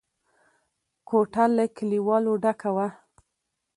کوټه له کليوالو ډکه وه.